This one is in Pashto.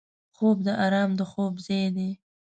خوب د آرام د خوب ځای دی